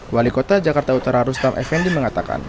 wali kota jakarta utara rustam effendi mengatakan